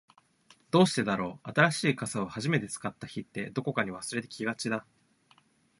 どうしてだろう、新しい傘を初めて使った日って、どこかに忘れてきがちだ。